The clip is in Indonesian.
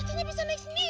katanya bisa naik sendiri